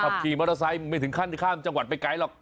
ขี่มอเตอร์ไซค์ไม่ถึงขั้นข้ามจังหวัดไปไกลหรอก